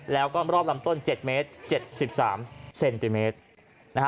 แล้วก็รอบลำต้น๗เมตร๗๓เซนติเมตรนะฮะ